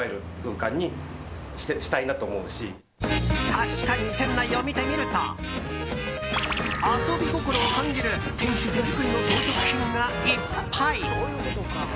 確かに店内を見てみると遊び心を感じる店主手作りの装飾品がいっぱい。